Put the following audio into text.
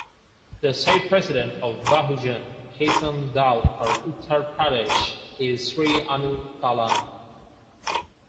The state president of Bahujan Kisan Dal for Uttar Pradesh is Sri Anil Talan.